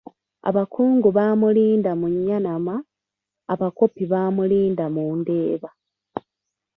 Abakungu baamulinda mu Nnyanama, Abakopi baamulinda mu Ndeeba.